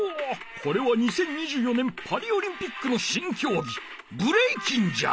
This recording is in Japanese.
これは２０２４年パリオリンピックのしんきょうぎブレイキンじゃ！